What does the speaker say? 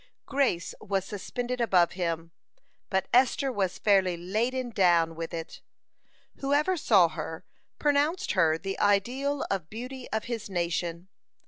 Grace was suspended above him, but Esther was fairly laden down with it. (70) Whoever saw her, pronounced her the ideal of beauty of his nation.